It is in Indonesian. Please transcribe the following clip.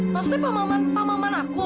maksudnya pak maman pak maman aku